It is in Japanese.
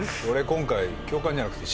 今回教官じゃなくて。